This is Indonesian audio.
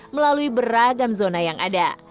melalui beragam zona yang ada